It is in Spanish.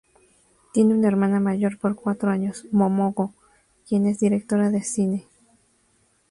Tiene una hermana mayor por cuatro años, Momoko, quien es directora de cine.